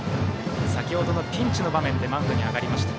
先程のピンチの場面でマウンドに上がりました。